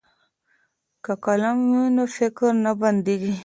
که قلم وي نو فکر نه بندیږي.